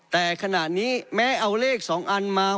แต่ขณะนี้แม้เอาเลข๒อันมา